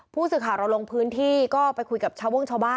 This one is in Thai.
ผู้สึกหารณ์ลงพื้นที่ก็ไปคุยกับชาวบ้างชาวบ้านนะคะ